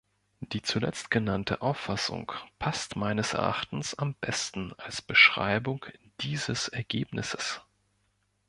Die zuletzt genannte Auffassung passt meines Erachtens am besten als Beschreibung dieses Ergebnisses.